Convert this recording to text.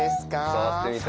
触ってみたい。